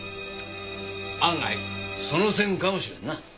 案外その線かもしれんな。